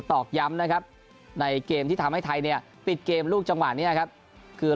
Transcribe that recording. ตอกย้ำนะครับในเกมที่ทำให้ไทยเนี่ยปิดเกมลูกจังหวะนี้ครับคือ